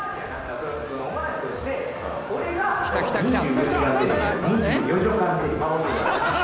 来た来た来た。